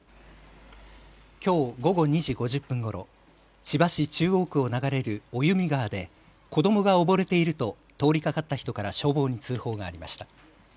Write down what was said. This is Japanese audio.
きょう午後２時５０分ごろ、千葉市中央区を流れる生実川で子どもが溺れていると通りかかった人から消防に通報がありました。